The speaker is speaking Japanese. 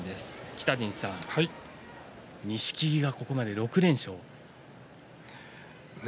北陣さん、錦木がここまで６連勝。